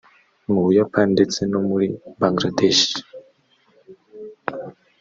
mu Buyapani ndetse no muri Bangladesh